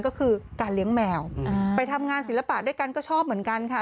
ก็คือการเลี้ยงแมวไปทำงานศิลปะด้วยกันก็ชอบเหมือนกันค่ะ